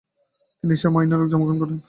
তিনি এশিয়া মাইনরে জন্মগ্রহণ করেন।